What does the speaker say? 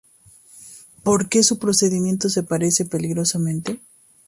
porque su procedimiento se parece peligrosamente